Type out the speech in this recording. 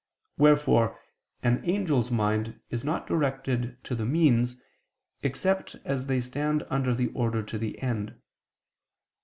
Wherefore, an angel's mind is not directed to the means, except as they stand under the order to the end.